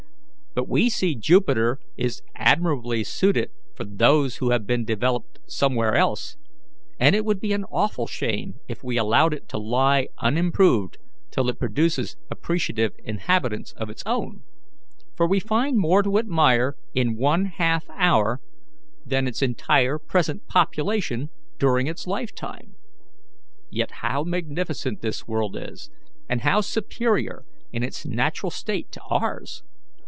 But we see Jupiter is admirably suited for those who have been developed somewhere else, and it would be an awful shame if we allowed it to lie unimproved till it produces appreciative inhabitants of its own, for we find more to admire in one half hour than its entire present population during its lifetime. Yet, how magnificent this world is, and how superior in its natural state to ours!